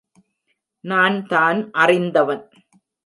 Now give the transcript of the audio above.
நான் தான் அறிந்தவன்.